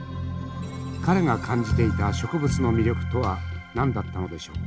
彼が感じていた植物の魅力とは何だったのでしょう？